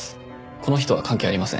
この人は関係ありません。